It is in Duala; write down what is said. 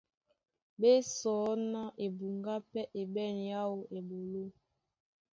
Ɓé sɔí ná ebuŋgá pɛ́ é ɓɛ̂n yáō eɓoló.